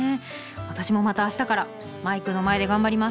私もまた明日からマイクの前で頑張ります。